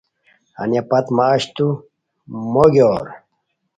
ہانیہ پت مہ اچتو مو گیور